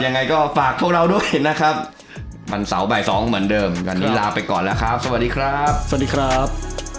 ยังไงก็ฝากพวกเราด้วยนะครับวันเสาร์บ่ายสองเหมือนเดิมวันนี้ลาไปก่อนแล้วครับสวัสดีครับสวัสดีครับ